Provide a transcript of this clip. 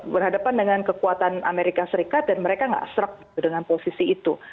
berhadapan dengan kekuatan amerika serikat dan mereka nggak serak dengan posisi itu